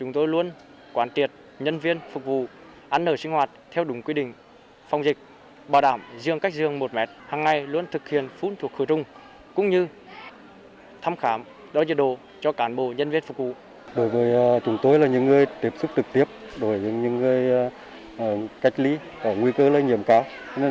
đối với những người cách ly có nguy cơ là nhiễm cao